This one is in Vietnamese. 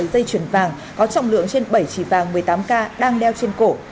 một dây chuyển vàng có trọng lượng trên bảy chỉ vàng một mươi tám k đang đeo trên cổ